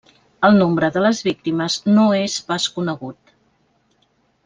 El nombre de les víctimes no és pas conegut.